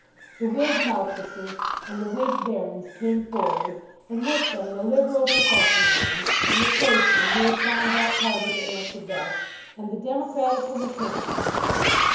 The Whig Marquises and the Whig Barons came forward, and with them the liberal professional men, and the tradesmen who had found that party to answer best, and the democratical mechanics.